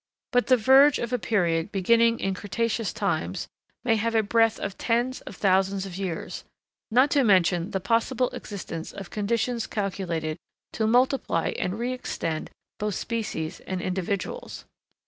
But the verge of a period beginning in cretaceous times may have a breadth of tens of thousands of years, not to mention the possible existence of conditions calculated to multiply and reëxtend both species and individuals.